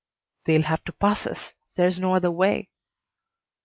"They'll have to pass us. There's no other way."